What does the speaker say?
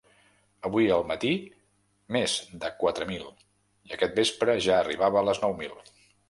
Avui al matí, més de quatre mil i aquest vespre ja arribava a les nou mil.